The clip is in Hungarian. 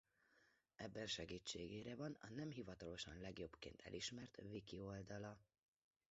Ebben segítségére van a nemhivatalosan legjobbként elismert wiki oldala.